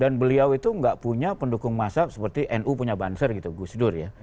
dan beliau itu gak punya pendukung masa seperti nu punya banser gitu gus dur ya